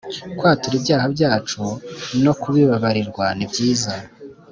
Kwatura ibyaha byacu no kubibabarirwa nibyiza